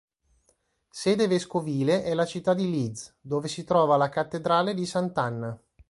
Sede vescovile è la città di Leeds, dove si trova la cattedrale di Sant'Anna.